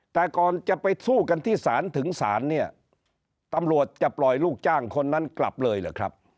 แต่ก่อนจะไปสู้กันที่ศาลถึงศาลเนี่ยตำรวจจะปล่อยลูกจ้างคนนั้นกลับเลยเหรอครับ